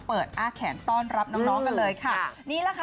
อ้าแขนต้อนรับน้องน้องกันเลยค่ะนี่แหละค่ะ